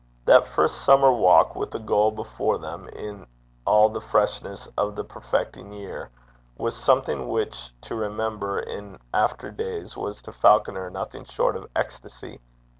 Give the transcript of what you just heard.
That first summer walk, with a goal before them, in all the freshness of the perfecting year, was something which to remember in after days was to Falconer nothing short of ecstasy.